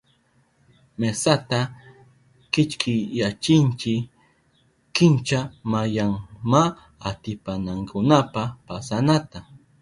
Mesata kichkiyachinki kincha mayanmaatipanankunapa pasanata.